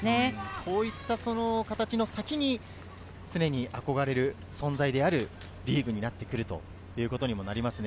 そういった形の先に常に憧れる存在であるリーグになってくるということになりますね。